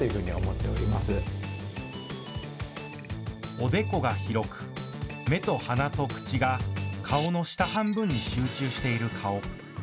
おでこが広く、目と鼻と口が顔の下半分に集中している顔。